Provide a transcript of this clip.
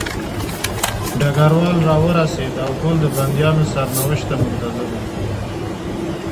ډګروال راورسېد او ټول د بندیانو سرنوشت ته منتظر وو